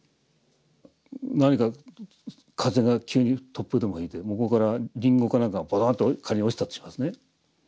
何か風が急に突風でも吹いて向こうからリンゴか何かがポトッと仮に落ちたとしますね。